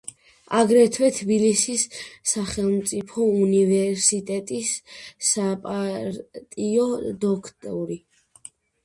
აგრეთვე თბილისის სახელმწიფო უნივერსიტეტის საპატიო დოქტორი.